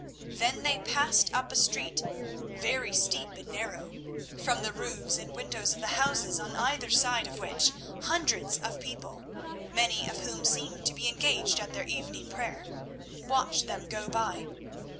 Then they passed up a street very steep and narrow, from the roofs and windows of the houses on either side of which hundreds of people—many of whom seemed to be engaged at their evening prayer—watched them go by.